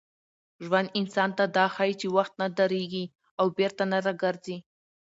ژوند انسان ته دا ښيي چي وخت نه درېږي او بېرته نه راګرځي.